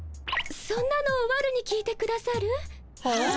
そんなのわるに聞いてくださる？はっ？